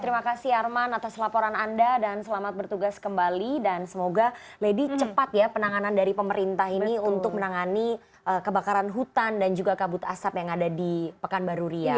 terima kasih arman atas laporan anda dan selamat bertugas kembali dan semoga lady cepat ya penanganan dari pemerintah ini untuk menangani kebakaran hutan dan juga kabut asap yang ada di pekanbaru riau